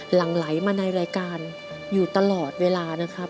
หลังไหลมาในรายการอยู่ตลอดเวลานะครับ